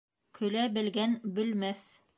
Көлә белгән бөлмәҫ.